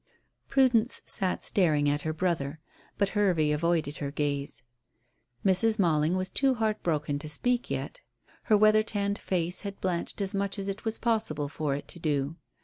Prudence sat staring at her brother, but Hervey avoided her gaze. Mrs. Malling was too heartbroken to speak yet. Her weather tanned face had blanched as much as it was possible for it to do.